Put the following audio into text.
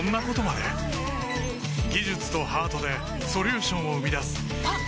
技術とハートでソリューションを生み出すあっ！